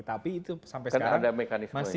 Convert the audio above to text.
tapi itu sampai sekarang masih menjadi rahasia